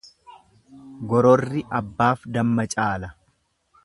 Gororri abbaaf damma caala.